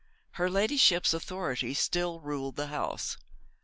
Her ladyship's authority still ruled the house.